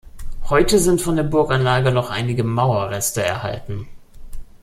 Heute sind von der Burganlage noch einige Mauerreste erhalten.